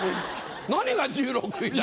何が１６位だよ。